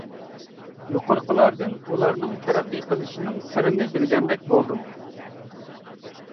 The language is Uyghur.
يۇقىرىقىلاردىن ئۇلارنىڭ تەرەققىي قىلىشىنىڭ سىرىنى بىلگەندەك بولدۇم.